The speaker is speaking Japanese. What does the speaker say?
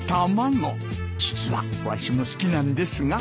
実はわしも好きなんですが。